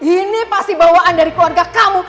ini pasti bawaan dari keluarga kamu